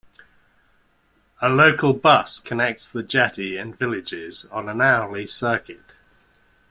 A local bus connects the jetty and villages on an hourly circuit.